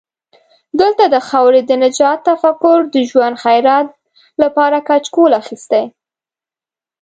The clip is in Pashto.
دلته د خاورې د نجات تفکر د ژوند خیرات لپاره کچکول اخستی.